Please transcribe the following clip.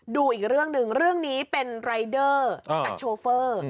ดูอีกเรื่องหนึ่งเรื่องนี้เป็นรายเดอร์กับโชเฟอร์